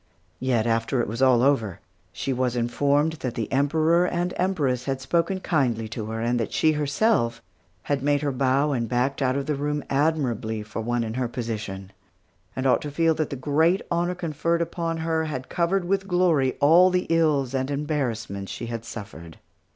Yet, after it was all over, she was informed that the Emperor and Empress had spoken kindly to her, and that she, herself, had made her bow and backed out of the room admirably for one in her position, and ought to feel that the great honor conferred upon her had covered with glory all the ills and embarrassments she had suffered.